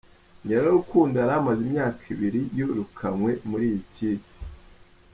Nyirarukundo yari amaze imyaka ibiri yirukanywe muri iyi kipe.